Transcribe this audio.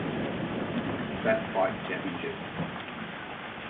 Fat Bike championship.